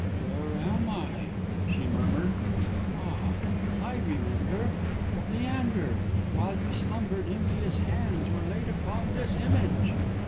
"Where am I?" she murmured. "Ah! I remember. Leander, while you slumbered, impious hands were laid upon this image!"